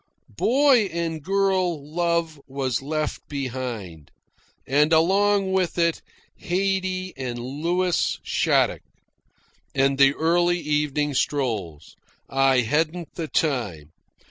Boy and girl love was left behind, and, along with it, Haydee and Louis Shattuck, and the early evening strolls. I hadn't the time.